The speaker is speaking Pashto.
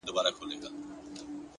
پرمختګ د دوام غوښتنه کوي